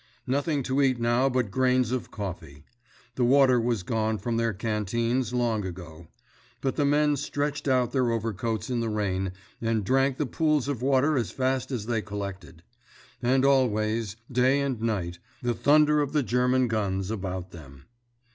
Nothing to eat now but grains of coffee. The water was gone from their canteens, long ago; but the men stretched out their overcoats in the rain, and drank the pools of water as fast as they collected. And, always, night and day, the thunder of the German guns about them.